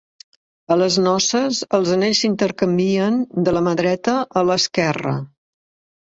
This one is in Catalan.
A les noces, els anells s'intercanvien de la mà dreta a l'esquerra.